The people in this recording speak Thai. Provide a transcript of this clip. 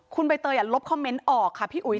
คุณใบเตยลบคอมเมนต์ออกค่ะพี่อุ๋ย